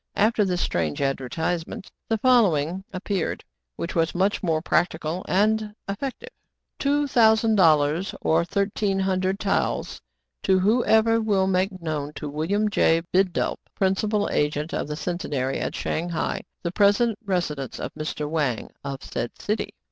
After this strange advertisement, the follow ing appeared, which was much more practical and effective :^" Two thousand dollars, or thirteen hundred taels, to who ever will make known to William J. Bidulph, principal agent of the Centenary at Shang hai, the present residence of Mr. Wang of said city."